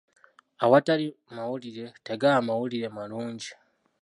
Awatali mawulire tegaba mawulire malungi.